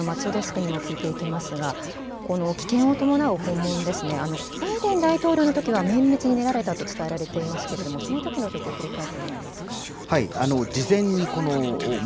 では国際部の松尾デスクにも聞いていきますが危険を伴う訪問、バイデン大統領のときは綿密に練られたと伝えられていますが、そのときの状況を伝えてもらえますか。